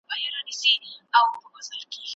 جګړه د ملتونو ترمنځ د بدبختۍ تخم شیندي.